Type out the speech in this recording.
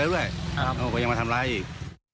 แล้วขอโทษละด้วยก็ยังมาทำร้ายอีก